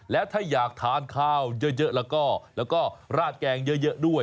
แล้วถ้าอยากทานข้าวเยอะแล้วก็ราดแกงเยอะด้วย